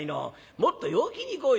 もっと陽気にいこうよ。